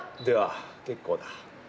では結構だ。